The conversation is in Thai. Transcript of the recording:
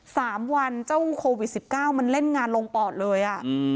สามวันเจ้าโควิด๑๙มันเล่นงานลงปอดเลยอะ